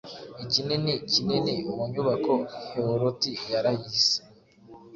Ikinini kinini mu nyubako Heoroti yarayise